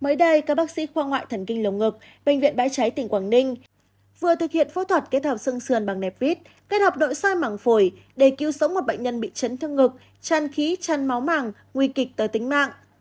các bác sĩ khoa ngoại thần kinh lồng ngực bệnh viện bãi trái tỉnh quảng ninh vừa thực hiện phẫu thuật kết hợp sương sườn bằng nẹp vít kết hợp đội sai mảng phổi để cứu sống một bệnh nhân bị chấn thương ngực chăn khí chăn máu mảng nguy kịch tới tính mạng